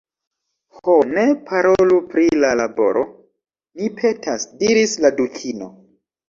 "Ho, ne parolu pri la laboro, mi petas," diris la Dukino. "